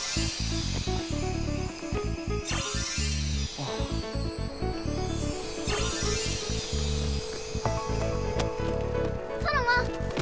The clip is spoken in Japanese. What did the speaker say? あ！ソノマ！